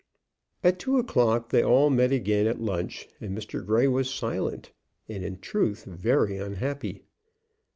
At two o'clock they all met again at lunch and Mr. Grey was silent, and in truth very unhappy.